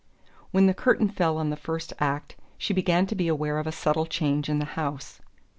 When the curtain fell on the first act she began to be aware of a subtle change in the house.